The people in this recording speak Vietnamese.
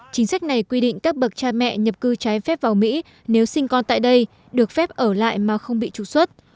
chính sách này quy định các bậc cha mẹ nhập cư trái phép vào mỹ nếu sinh con tại đây được phép ở lại mà không bị trục xuất